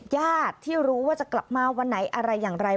ญาติที่รู้ว่าจะกลับมาวันไหนอะไรอย่างไร